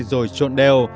rồi trộn đều